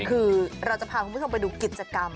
คือเราจะพาคุณผู้ชมไปดูกิจกรรม